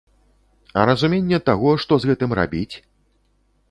А разуменне таго, што з гэтым рабіць?